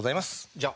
じゃあ。